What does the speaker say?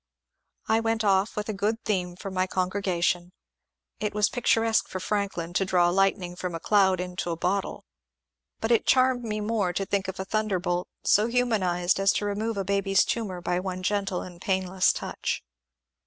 I went off with a good theme for my congregation. It was picturesque for Franklin to draw lightning from a cloud into a bottle, but it charmed me more to think of a thunderbolt so 362 MONCURE DANIEL CONWAY humaiiized as to remove a baby's tomour by one gentle and painless touch.